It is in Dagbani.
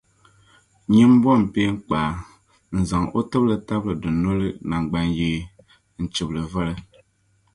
nyin’ bom’ peeŋkpaa n-zaŋ o tibili tabili dunoli naŋgbanyee n-chib’ li voli.